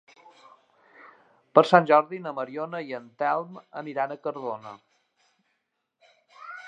Per Sant Jordi na Mariona i en Telm aniran a Cardona.